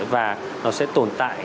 và nó sẽ tồn tại